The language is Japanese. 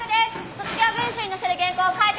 卒業文集に載せる原稿を書いてもらいます。